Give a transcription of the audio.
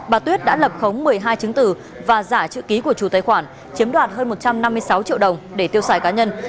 bà tuyết đã lập khống một mươi hai chứng tử và giả chữ ký của chủ tài khoản chiếm đoạt hơn một trăm năm mươi sáu triệu đồng để tiêu xài cá nhân